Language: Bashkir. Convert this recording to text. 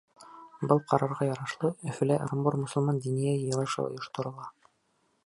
Был ҡарарға ярашлы Өфөлә Ырымбур мосолман диниә йыйылышы ойошторола.